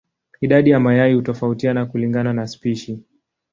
Idadi ya mayai hutofautiana kulingana na spishi.